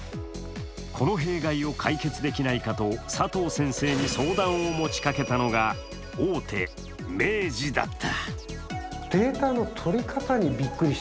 この弊害を解決できないかと佐藤先生に相談を持ちかけたのが大手・明治だった。